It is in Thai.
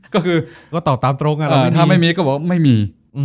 ก็คือก็ตอบตามตรงถ้าไม่มีก็บอกไม่มี